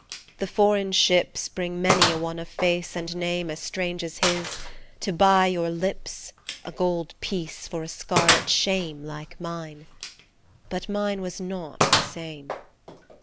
The foreign ships Bring many a one of face and name As strange as his, to buy your lips, A gold piece for a scarlet shame Like mine. But mine was not the same.